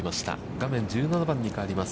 画面１７番に変わります。